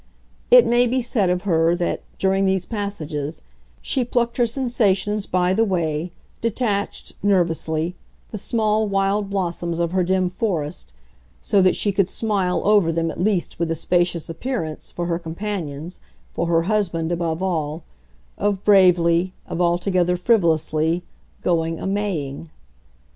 It may be said of her that, during these passages, she plucked her sensations by the way, detached, nervously, the small wild blossoms of her dim forest, so that she could smile over them at least with the spacious appearance, for her companions, for her husband above all, of bravely, of altogether frivolously, going a maying.